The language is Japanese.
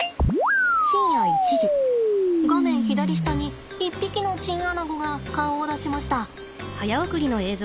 深夜１時画面左下に一匹のチンアナゴが顔を出しました。